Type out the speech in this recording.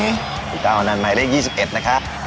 อีกพี่นี่ปากอันนั่นนายได้๒๑นะฮะ